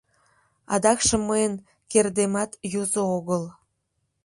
Адакшым мыйын кердемат юзо огыл.